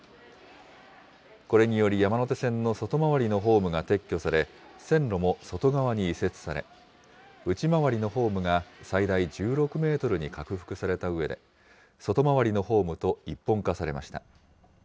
これにより、山手線の外回りのホームが撤去され、線路も外側に移設され、内回りのホームが最大１６メートルに拡幅されたうえで、外回りのホームと一本化されました。